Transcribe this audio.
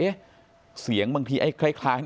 เสียงบางทีไอ้คล้าย